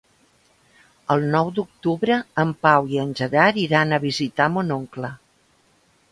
El nou d'octubre en Pau i en Gerard iran a visitar mon oncle.